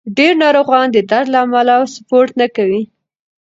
ډېر ناروغان د درد له امله سپورت نه کوي.